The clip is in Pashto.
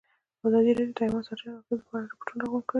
ازادي راډیو د حیوان ساتنه د اغېزو په اړه ریپوټونه راغونډ کړي.